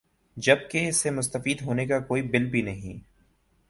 جبکہ اس سے مستفید ہونے کا کوئی بل بھی نہیں